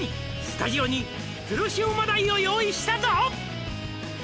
「スタジオに黒潮真鯛を用意したぞ」